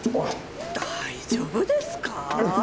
大丈夫ですか？